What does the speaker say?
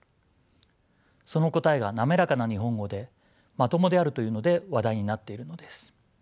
その答えが滑らかな日本語でまともであるというので話題になっているのです。